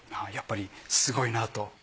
やっぱりすごいなと。